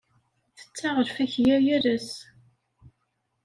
Tetteɣ lfakya yal ass.